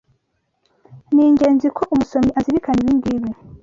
Ni ingenzi ko umusomyi azirikana ibingibi